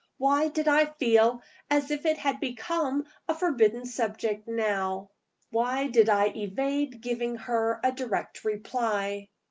Why did I feel as if it had become a forbidden subject now? Why did I evade giving her a direct reply?